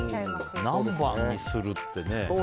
南蛮にするってね。